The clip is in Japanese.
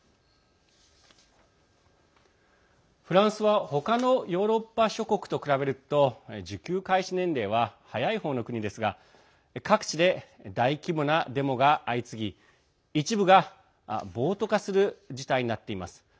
フランスは他のヨーロッパ諸国と比べると受給開始年齢は早い方の国ですが各地で大規模なデモが相次ぎ一部が暴徒化する事態になっています。